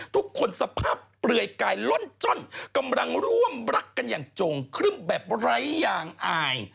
สภาพเปลือยกายล่นจ้อนกำลังร่วมรักกันอย่างจงครึ่มแบบไร้ยางอาย